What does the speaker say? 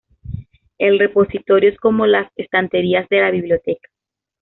El repositorio es como las estanterías de la biblioteca.